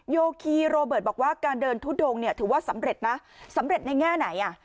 โยคีโรเบิร์ตบอกว่าการเดินทุดงเนี่ยถือว่าสำเร็จนะสำเร็จในแง่ไหนอ่ะ